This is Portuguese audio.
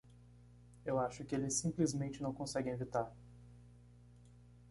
Eu acho que eles simplesmente não conseguem evitar.